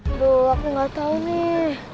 aduh aku gak tau nih